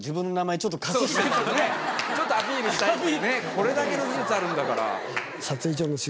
これだけの技術あるんだから。